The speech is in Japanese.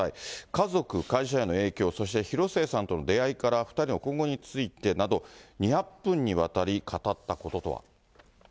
家族、会社への影響、そして広末さんとの出会いから２人の今後についてなど、２００分にわたり語ったこととは。